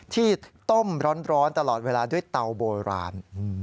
ที่ต้มร้อนตลอดเวลาด้วยเตาโบราณ